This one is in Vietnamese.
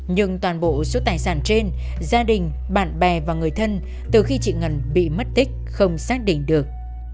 nhưng toàn bộ số tài sản trên gia đình bạn bè và người thân từ khi chị ngân bị mất tích không xác định được